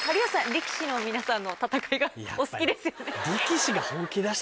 力士の皆さんの戦いがお好きですよね。